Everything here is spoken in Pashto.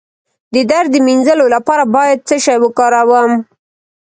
د درد د مینځلو لپاره باید څه شی وکاروم؟